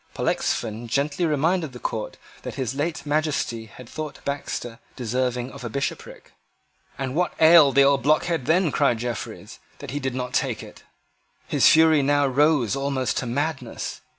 Pollexfen gently reminded the court that his late Majesty had thought Baxter deserving of a bishopric. "And what ailed the old blockhead then," cried Jeffreys, "that he did not take it?" His fury now rose almost to madness.